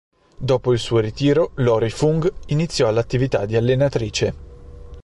Dopo il suo ritiro Lori Fung iniziò l'attività di allenatrice.